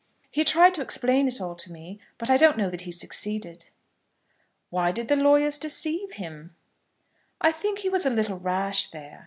"He tried to explain it all to me; but I don't know that he succeeded." "Why did the lawyers deceive him?" "I think he was a little rash there.